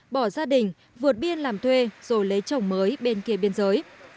bỏ gia đình vượt biên làm thuê rồi lấy chồng mới bên kia biên giới